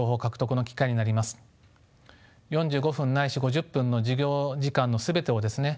４５分ないし５０分の授業時間の全てをですね